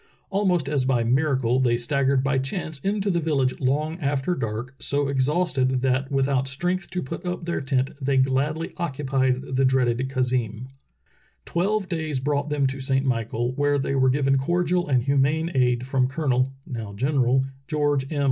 Almost as by miracle they staggered by chance into the village long after dark, so exhausted that with out strength to put up tlieir tent they gladly occupied the dreaded khazeem. Twelve days brought them to Saint Michael, where the)^ were given cordial and humane aid from Colonel (now General) George M.